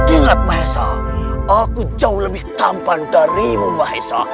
ingat maesha aku jauh lebih tampan darimu maesha